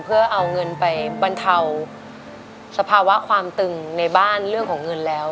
เพื่อเอาเงินไปบรรเทาสภาวะความตึงในบ้านเรื่องของเงินแล้ว